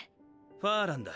ファーランだ。